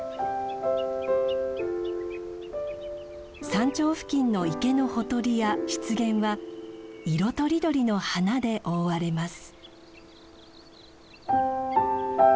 山頂付近の池のほとりや湿原は色とりどりの花で覆われます。